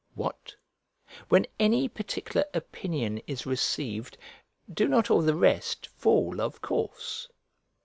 What? when any particular opinion is received, do not all the rest fall of course?